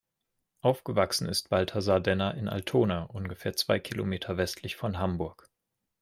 Aufgewachsen ist Balthasar Denner in Altona, ungefähr zwei Kilometer westlich von Hamburg.